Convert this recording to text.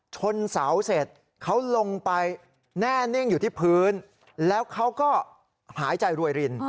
ชนเสาเสร็จเขาลงไปแน่นิ่งอยู่ที่พื้นแล้วเขาก็หายใจรวยริน